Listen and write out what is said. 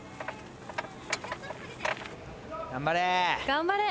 ・頑張れ。